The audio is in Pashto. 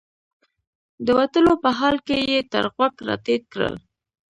د وتلو په حال کې یې تر غوږ راټیټ کړل.